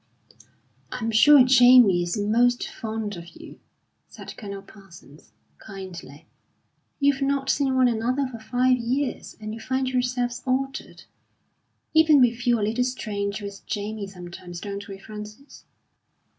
"I'm sure Jamie is most fond of you," said Colonel Parsons, kindly. "You've not seen one another for five years, and you find yourselves altered. Even we feel a little strange with Jamie sometimes; don't we, Frances?